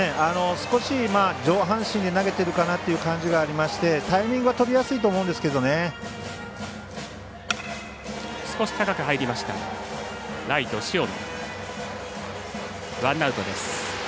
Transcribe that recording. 少し上半身で投げているかなという感じがありましてタイミングは取りやすいとワンアウトです。